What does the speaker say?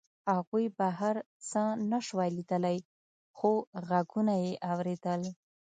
هغوی بهر څه نشوای لیدلی خو غږونه یې اورېدل